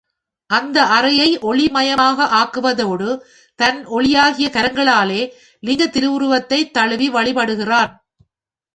அந்த அறையை ஒளிமயமாக் ஆக்குவதோடு தன் ஒளியாகிய கரங்களாலே லிங்கத் திருவுருவத்தைத் தழுவி வழிபடுகிறான்.